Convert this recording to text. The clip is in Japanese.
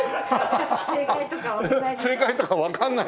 正解とかわからない。